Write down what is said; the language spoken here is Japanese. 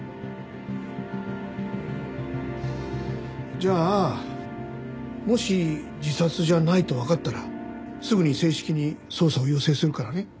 じゃあもし自殺じゃないとわかったらすぐに正式に捜査を要請するからね。